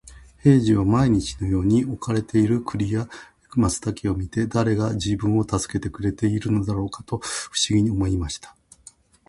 兵十は毎日のように置かれる栗や松茸を見て、誰が自分を助けてくれているのだろうと不思議に思いました。